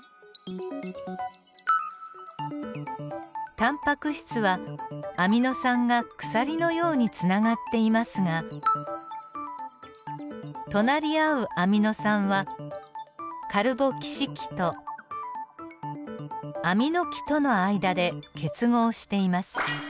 タンパク質はアミノ酸が鎖のようにつながっていますが隣り合うアミノ酸はカルボキシ基とアミノ基との間で結合しています。